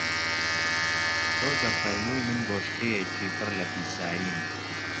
تۆ دەفەرمووی من بۆشکەیەکی پڕ لە پیساییم